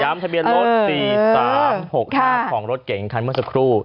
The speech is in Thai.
ทะเบียนรถ๔๓๖๕ของรถเก่งคันเมื่อสักครู่